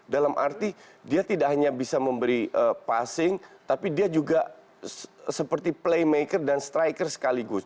dalam arti dia tidak hanya bisa memberi passing tapi dia juga seperti playmaker dan striker sekaligus